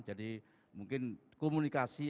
jadi mungkin komunikasi